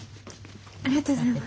ありがとうございます。